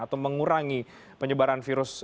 atau mengurangi penyebaran virus